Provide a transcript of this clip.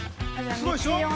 すごいでしょ？